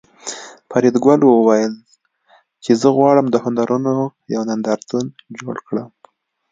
فریدګل وویل چې زه غواړم د هنرونو یو نندارتون جوړ کړم